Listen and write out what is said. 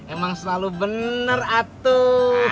emang selalu bener atuh